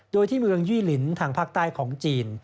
โดยที่เมืองยี่ลินทางภาคใต้ของจีน